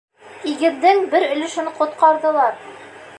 Игендең бер өлөшөн ҡотҡарҙылар.